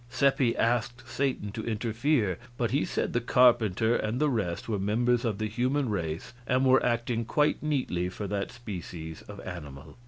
Seppi asked Satan to interfere, but he said the carpenter and the rest were members of the human race and were acting quite neatly for that species of animal.